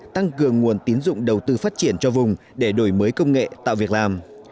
tăng cường nguồn tín dụng đầu tư phát triển cho vùng để đổi mới công nghệ tạo việc làm